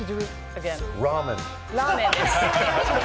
ラーメンです。